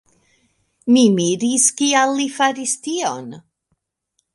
Mi miris, kial li faris tion.